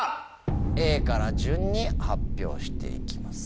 Ａから順に発表していきます。